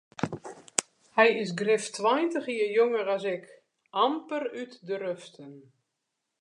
Hy is grif tweintich jier jonger as ik, amper út de ruften.